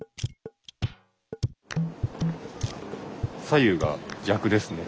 左右が逆ですね。